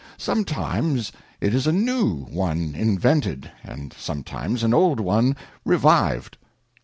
Sometimes it is a new one invented, and sometimes an old one revived.